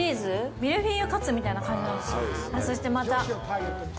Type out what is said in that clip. ミルフィーユカツみたいな感じなのかな。